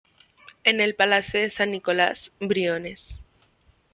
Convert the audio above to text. En el Palacio de San Nicolás, Briones.